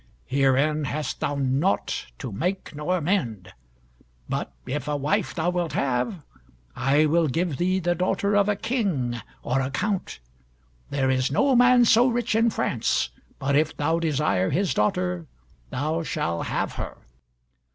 Herein hast thou naught to make nor mend; but if a wife thou wilt have, I will give thee the daughter of a king, or a count. There is no man so rich in France, but if thou desire his daughter, thou shall have her."